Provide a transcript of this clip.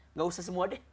nggak usah semua deh